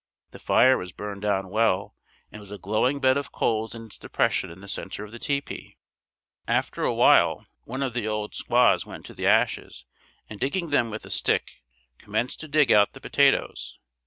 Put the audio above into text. The fire was burned down well and was a glowing bed of coals in its depression in the center of the tepee. After a while, one of the old squaws went to the ashes and digging them with a stick, commenced to dig out the potatoes.